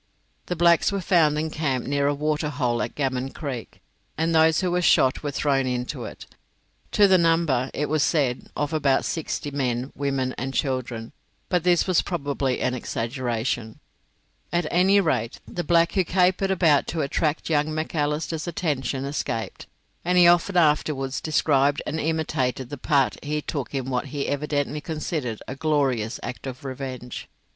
The blacks were found encamped near a waterhole at Gammon Creek, and those who were shot were thrown into it, to the number, it was said, of about sixty, men, women, and children; but this was probably an exaggeration. At any rate, the black who capered about to attract young Macalister's attention escaped, and he often afterwards described and imitated the part he took in what he evidently considered a glorious act of revenge.